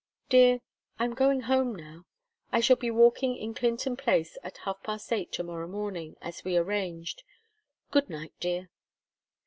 "Dear I'm going home now. I shall be walking in Clinton Place at half past eight to morrow morning, as we arranged. Good night dear."